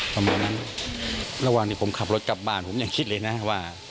ประมาณนั้นระหว่างที่ผมขับรถกลับบ้านผมยังคิดเลยนะว่า